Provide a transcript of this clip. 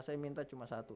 saya minta cuma satu